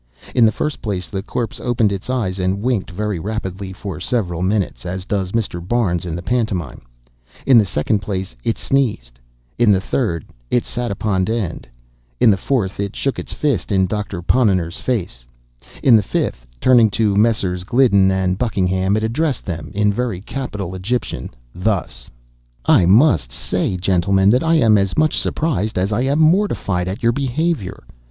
In the first place, the corpse opened its eyes and winked very rapidly for several minutes, as does Mr. Barnes in the pantomime; in the second place, it sneezed; in the third, it sat upon end; in the fourth, it shook its fist in Doctor Ponnonner's face; in the fifth, turning to Messieurs Gliddon and Buckingham, it addressed them, in very capital Egyptian, thus: "I must say, gentlemen, that I am as much surprised as I am mortified at your behavior.